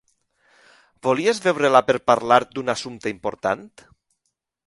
Volies veure-la per parlar d'un assumpte important?